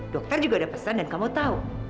dokter juga udah pesan dan kamu tau